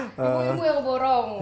ibu ibu yang borong